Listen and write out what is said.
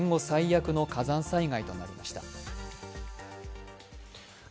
最悪の火山災害となりました。